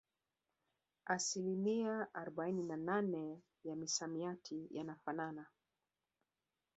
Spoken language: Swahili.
Asilimia arobaini na nane ya misamiati yafanana